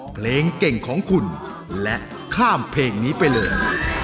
เพลงเก่งของคุณและข้ามเพลงนี้ไปเลย